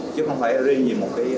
chứ không phải riêng vì một cái